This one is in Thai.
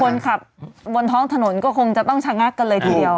คนขับบนท้องถนนก็คงจะต้องชะงักกันเลยทีเดียว